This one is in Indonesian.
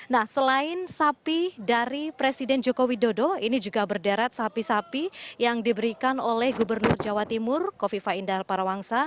nah selain sapi dari presiden joko widodo ini juga berderet sapi sapi yang diberikan oleh gubernur jawa timur kofifa indah parawangsa